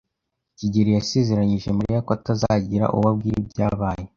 kigeli yasezeranyije Mariya ko atazagira uwo abwira ibyabaye.